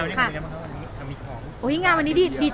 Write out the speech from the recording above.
ทำงานวันนี้มีของ